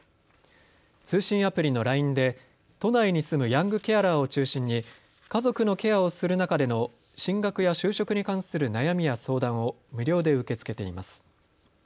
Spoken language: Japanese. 通信アプリのＬＩＮＥで都内に住むヤングケアラーを中心に家族のケアをする中での進学や就職に関する悩みや相談を無料で受け付けています。